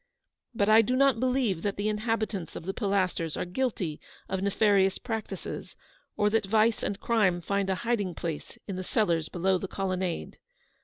But I do not believe that the inhabitants of the Pilasters are guilty of nefarious practices, or that vice and crime find a hiding place in the cellars below the colonnade.